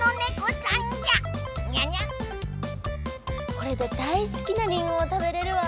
これで大すきなリンゴを食べれるわ！